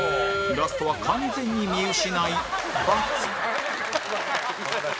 ラストは完全に見失い×